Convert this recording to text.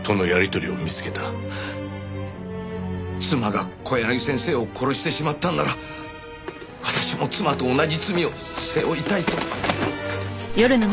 妻が小柳先生を殺してしまったんなら私も妻と同じ罪を背負いたいと。